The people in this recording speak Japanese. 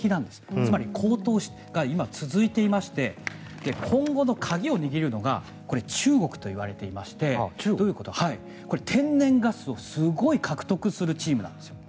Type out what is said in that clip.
つまり高騰が今、続いていまして今後の鍵を握るのが中国といわれていましてこれ、天然ガスをすごい獲得するチームなんですよ。